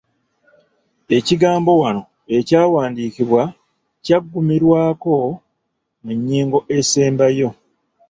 Ekigambo 'wanno' ekyawandiikibwa kyaggumirwako mu nnyingo esembayo